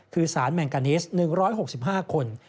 คือสารแมงกานิส๑๖๕คน